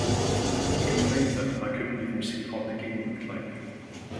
He complained that, I couldn't even see what the game looked like.